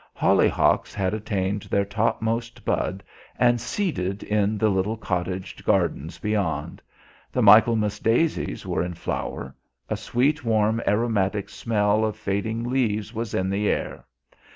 Hollyhocks had attained their topmost bud and seeded in the little cottage gardens beyond; the Michaelmas daisies were in flower; a sweet warm aromatic smell of fading leaves was in the air.